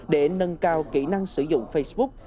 để nâng cao kỹ năng sử dụng facebook